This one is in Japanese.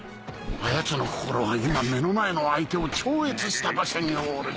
あやつの心は今目の前の相手を超越した場所におる。